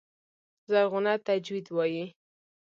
زرغونه تجوید وايي.